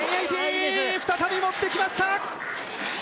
再び持ってきました！